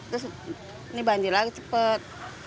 terus ini banjir lagi cepet